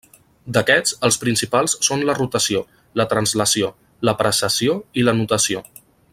D'aquests, els principals són la rotació, la translació, la precessió i la nutació.